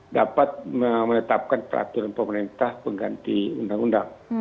dapat menetapkan peraturan pemerintah pengganti undang undang